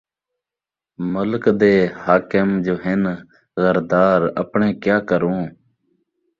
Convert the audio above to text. ملک دے حاکم جو ہن غردار اپݨے کیا کروں